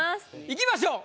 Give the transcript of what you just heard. いきましょう。